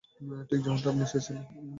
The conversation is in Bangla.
ঠিক যেমনটা আপনি চেয়েছিলেন।